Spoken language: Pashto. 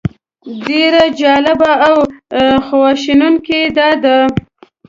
ډېره جالبه او خواشینونکې یې دا ده.